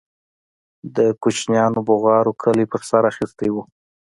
د كوچنيانو بوغارو كلى په سر اخيستى و.